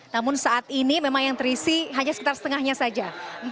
namun saat ini memang yang terisi hanya sekitar setengahnya saja